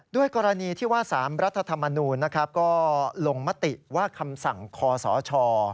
กรณีที่ว่า๓รัฐธรรมนูลนะครับก็ลงมติว่าคำสั่งคอสช